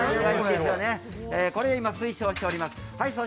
これ、今、推奨しています。